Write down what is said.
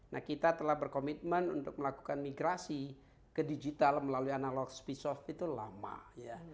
nah kita telah berkomitmen untuk melakukan migrasi ke digital melalui analog speech off itu lama ya